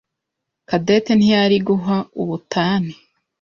Cadette ntiyari guha ubutane.